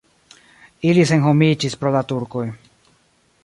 Ili senhomiĝis pro la turkoj.